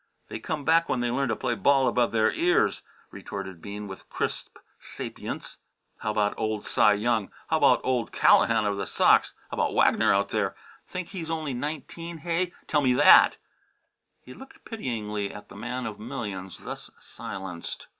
"They come back when they learn to play ball above the ears," retorted Bean with crisp sapience. "How about old Cy Young? How about old Callahan of the Sox? How about Wagner out there think he's only nineteen hey? Tell me that!" He looked pityingly at the man of millions thus silenced.